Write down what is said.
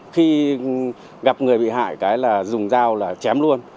khi gặp người bị hại dùng dao là chém luôn